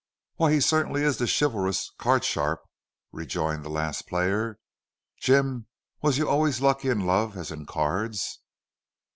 "Wal, he certainlee is the chilvalus card sharp," rejoined the last player. "Jim, was you allus as lucky in love as in cards?"